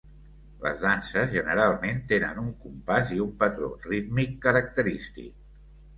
Les danses generalment tenen un compàs i un patró rítmic característic.